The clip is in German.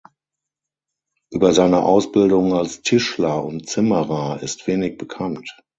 Über seine Ausbildung als Tischler und Zimmerer ist wenig bekannt.